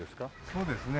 そうですね。